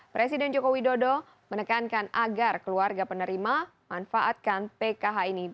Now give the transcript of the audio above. presiden joko widodo menekankan agar keluarga penerima manfaatkan pkh ini